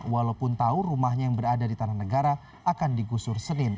walaupun tahu rumahnya yang berada di tanah negara akan digusur senin